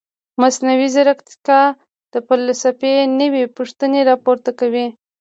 مصنوعي ځیرکتیا د فلسفې نوې پوښتنې راپورته کوي.